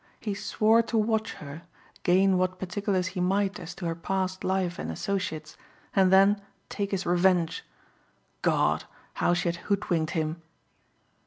He swore to watch her, gain what particulars he might as to her past life and associates, and then take his revenge. God! How she had hoodwinked him!